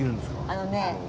あのね